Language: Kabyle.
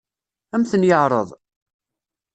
Ad m-ten-yeɛṛeḍ?